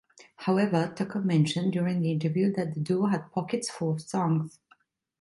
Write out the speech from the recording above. However, Tucker mentioned during the interview that the duo had "pockets... full of songs".